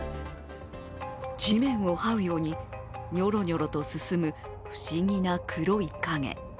地面をはうようににょろにょろと進む不思議な黒い影。